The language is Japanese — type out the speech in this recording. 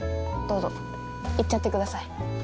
どうぞいっちゃってください。